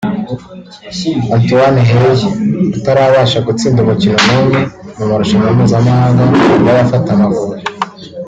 Antoine Hey utarabasha gutsinda umukino n’umwe mu marushanwa mpuzamahanga kuva yafata Amavubi